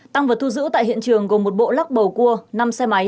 tăng vật thu giữ tại hiện trường gồm một bộ lắc bầu cua năm xe máy